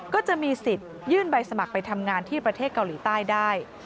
ก็จะมีสิทธิ์ยื่นใบสมัครไปทำงานที่ประเทศเกาหลีใต้ได้